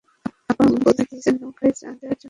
আপা বলে দিয়েছেন নৌকায় চা দেওয়ার জন্যে।